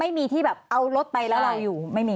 ไม่มีที่แบบเอารถไปแล้วเราอยู่ไม่มี